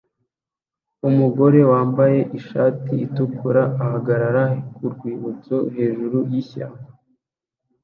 Umugore wambaye ishati itukura ahagarara ku rwibutso hejuru yishyamba